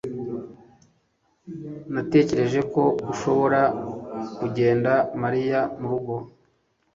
Natekereje ko ushobora kugenda Mariya murugo